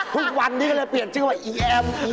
ทุกวันนี้ก็เลยเปลี่ยนชื่อว่าอีแอม